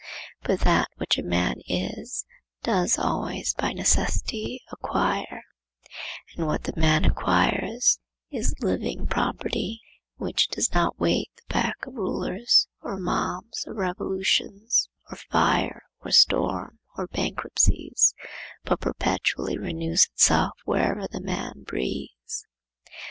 But that which a man is, does always by necessity acquire, and what the man acquires is living property, which does not wait the beck of rulers, or mobs, or revolutions, or fire, or storm, or bankruptcies, but perpetually renews itself wherever the man breathes.